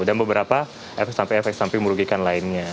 dan beberapa efek samping efek samping merugikan lainnya